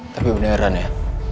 tapi udah heran ya